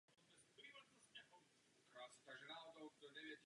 Jejich dům byl zkonfiskován a prostory začal využívat říšský pracovní úřad.